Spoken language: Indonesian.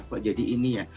kok jadi ini ya